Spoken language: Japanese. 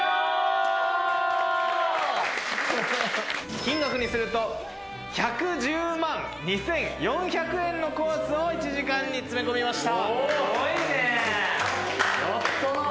金額にすると１１０万２４００円のコースを１時間に詰め込みました。